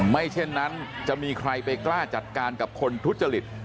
เช่นนั้นจะมีใครไปกล้าจัดการกับคนทุจริต